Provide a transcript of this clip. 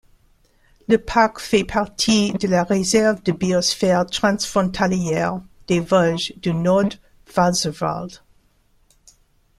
Le parc fait partie de la réserve de biosphère transfrontalière des Vosges du Nord-Pfälzerwald.